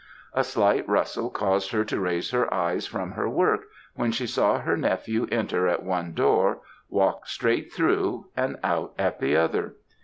A slight rustle caused her to raise her eyes from her work, when she saw her nephew enter at one door, walk straight through, and out at the other.